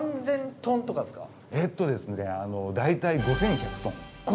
えっとですね大体５，１００トン？